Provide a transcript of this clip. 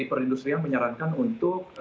perindustrian menyarankan untuk